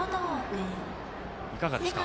いかがですか。